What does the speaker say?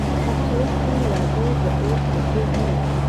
په هغه وخت کې واده د اوس په څیر نه و.